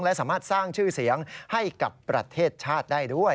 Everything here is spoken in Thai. และสามารถสร้างชื่อเสียงให้กับประเทศชาติได้ด้วย